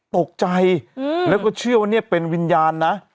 ตกใจแล้วก็เชื่อว่าเนี่ยเป็นวิญญาณนะ